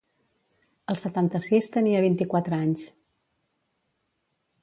El setanta-sis tenia vint-i-quatre anys.